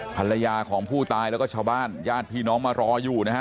ภรรยาของผู้ตายแล้วก็ชาวบ้านญาติพี่น้องมารออยู่นะฮะ